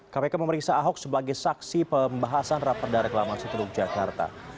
kpk memeriksa ahok sebagai saksi pembahasan raperda reklamasi teluk jakarta